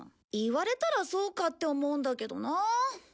言われたらそうかって思うんだけどなあ。